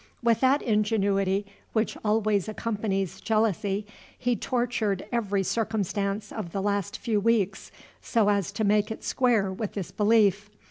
With that ingenuity which always accompanies jealousy, he tortured every circumstance of the last few weeks so as to make it square with this belief.